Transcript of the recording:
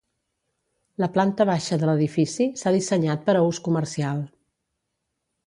La planta baixa de l'edifici s'ha dissenyat per a ús comercial.